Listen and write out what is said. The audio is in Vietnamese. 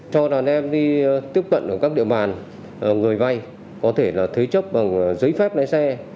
cho đàn em đi tiếp cận ở các địa bàn người vay có thể là thế chấp bằng giấy phép lái xe